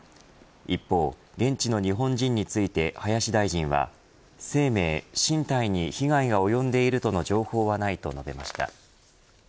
一方現地の日本人について林大臣は生命、身体に被害が及んでいるとの情報はないと述べました。